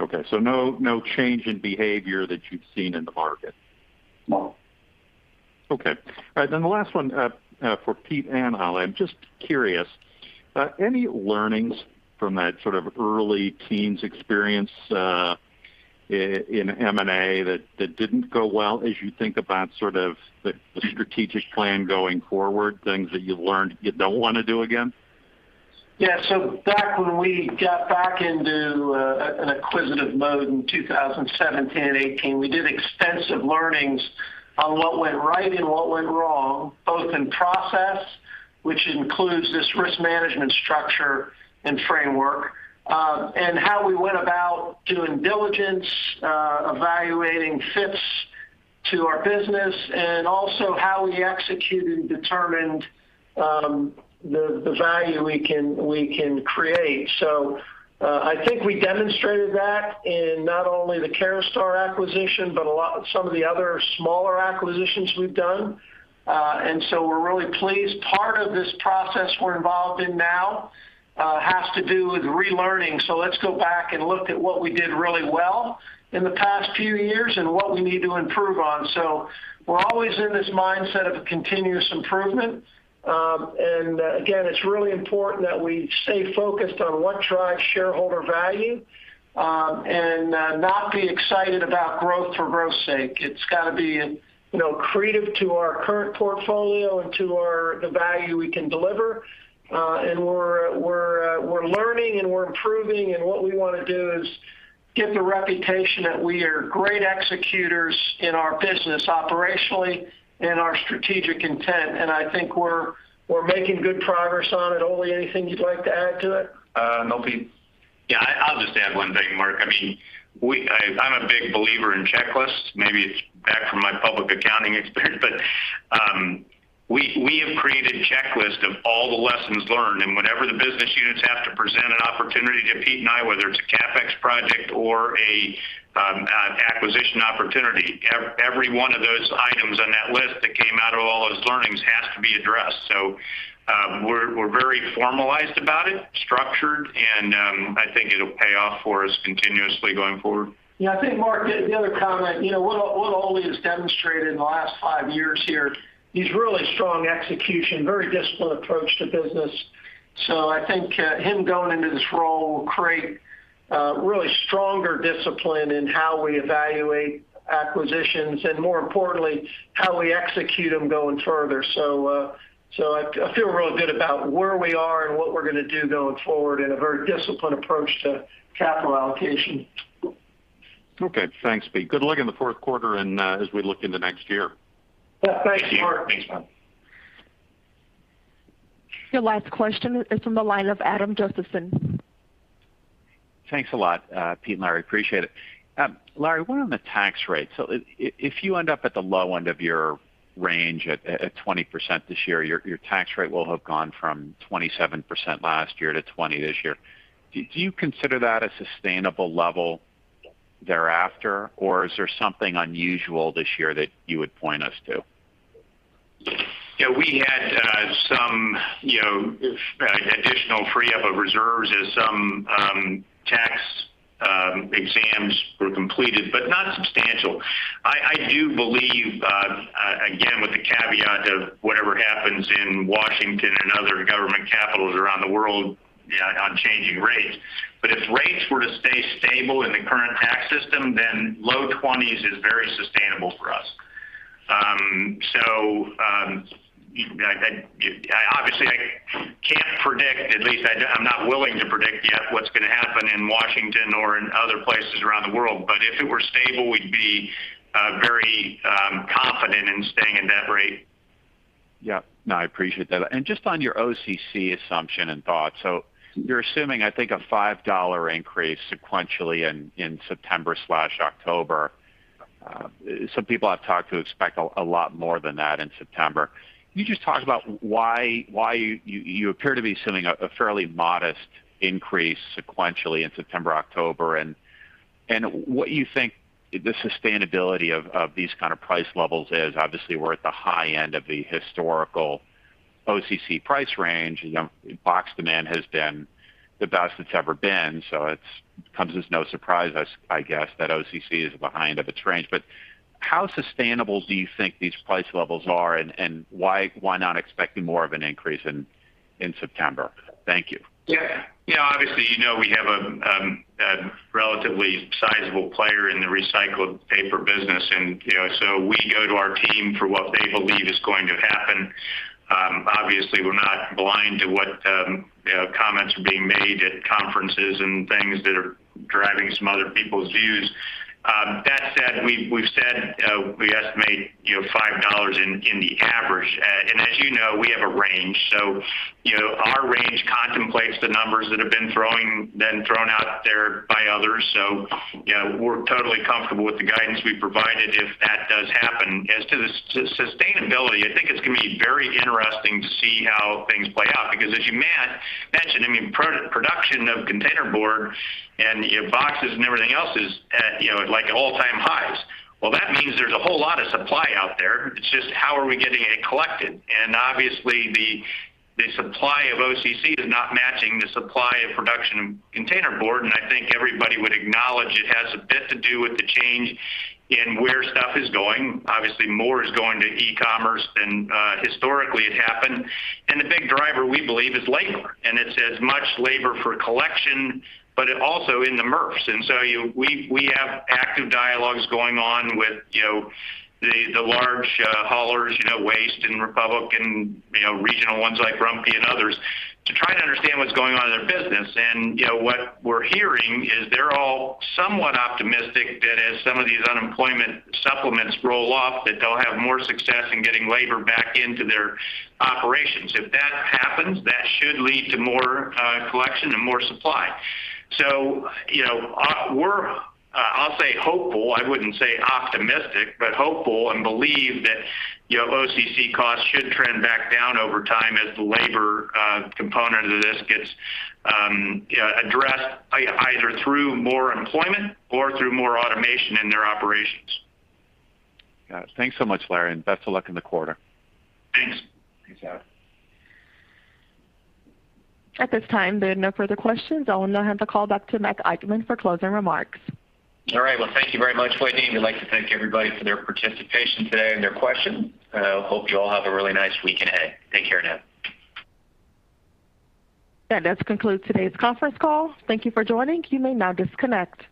Okay. No change in behavior that you've seen in the market? No. Okay. All right. The last one, for Pete and Ole. I'm just curious. Any learnings from that sort of early teens experience in M&A that didn't go well as you think about sort of the strategic plan going forward, things that you learned you don't want to do again? Back when we got back into an acquisitive mode in 2017 and 2018, we did extensive learnings on what went right and what went wrong, both in process, which includes this risk management structure and framework. How we went about doing diligence, evaluating fits to our business, and also how we executed and determined the value we can create. I think we demonstrated that in not only the Caraustar Industries acquisition, but some of the other smaller acquisitions we've done. We're really pleased. Part of this process we're involved in now has to do with relearning. Let's go back and look at what we did really well in the past few years and what we need to improve on. We're always in this mindset of a continuous improvement. Again, it's really important that we stay focused on what drives shareholder value, and not be excited about growth for growth's sake. It's got to be accretive to our current portfolio and to the value we can deliver. We're learning, and we're improving, and what we want to do is get the reputation that we are great executors in our business operationally and our strategic intent. I think we're making good progress on it. Ole, anything you'd like to add to it? No, Pete. Yeah. I'll just add one thing, Mark. I'm a big believer in checklists. Maybe it's back from my public accounting experience, but we have created a checklist of all the lessons learned. Whenever the business units have to present an opportunity to Pete and I, whether it's a CapEx project or an acquisition opportunity, every one of those items on that list that came out of all those learnings has to be addressed. We're very formalized about it, structured, and I think it'll pay off for us continuously going forward. Yeah. I think Mark, the other comment, what Ole has demonstrated in the last five years here is really strong execution, very disciplined approach to business. I think him going into this role will create a really stronger discipline in how we evaluate acquisitions, and more importantly, how we execute them going further. I feel really good about where we are and what we're going to do going forward in a very disciplined approach to capital allocation. Okay. Thanks, Pete. Good luck in the fourth quarter and as we look into next year. Yeah, thanks, Mark. Thank you. Your last question is from the line of Adam Josephson. Thanks a lot, Pete and Larry. Appreciate it. Larry, one on the tax rate. If you end up at the low end of your range at 20% this year, your tax rate will have gone from 27% last year to 20% this year. Do you consider that a sustainable level thereafter, or is there something unusual this year that you would point us to? Yeah, we had some additional free-up of reserves as some tax exams were completed, but not substantial. I do believe, again, with the caveat of whatever happens in Washington and other government capitals around the world on changing rates, but if rates were to stay stable in the current tax system, then low 20s is very sustainable for us. Obviously, I can't predict, at least I'm not willing to predict yet what's going to happen in Washington or in other places around the world. If it were stable, we'd be very confident in staying in that rate. Yeah. No, I appreciate that. Just on your OCC assumption and thoughts. You're assuming, I think, a $5 increase sequentially in September/October. Some people I've talked to expect a lot more than that in September. Can you just talk about why you appear to be assuming a fairly modest increase sequentially in September, October, and what you think the sustainability of these kind of price levels is? Obviously, we're at the high end of the historical OCC price range. Box demand has been the best it's ever been, so it comes as no surprise, I guess, that OCC is behind of its range. How sustainable do you think these price levels are, and why not expecting more of an increase in September? Thank you. Obviously, you know we have a relatively sizable player in the recycled paper business, we go to our team for what they believe is going to happen. Obviously, we're not blind to what comments are being made at conferences and things that are driving some other people's views. That said, we've said we estimate $5 in the average. As you know, we have a range. Our range contemplates the numbers that have been thrown out there by others. We're totally comfortable with the guidance we've provided if that does happen. As to the sustainability, I think it's going to be very interesting to see how things play out, because as you mentioned, production of containerboard and boxes and everything else is at all-time highs. Well, that means there's a whole lot of supply out there. It's just how are we getting it collected. Obviously, the supply of OCC is not matching the supply of production of containerboard, and I think everybody would acknowledge it has a bit to do with the change in where stuff is going. Obviously, more is going to e-commerce than historically it happened. The big driver, we believe, is labor, and it says much labor for collection, but also in the MRFs. So we have active dialogues going on with the large haulers, Waste and Republic and regional ones like Rumpke and others, to try to understand what's going on in their business. What we're hearing is they're all somewhat optimistic that as some of these unemployment supplements roll off, that they'll have more success in getting labor back into their operations. If that happens, that should lead to more collection and more supply. We're, I'll say hopeful, I wouldn't say optimistic, but hopeful and believe that OCC costs should trend back down over time as the labor component of this gets addressed either through more employment or through more automation in their operations. Got it. Thanks so much, Larry, and best of luck in the quarter. Thanks. Thanks, Adam. At this time, there are no further questions. I will now hand the call back to Matt Eichmann for closing remarks. All right. Well, thank you very much, Whitney. We'd like to thank everybody for their participation today and their questions. Hope you all have a really nice week ahead. Take care now. That concludes today's conference call. Thank you for joining. You may now disconnect.